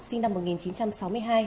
sinh năm một nghìn chín trăm sáu mươi hai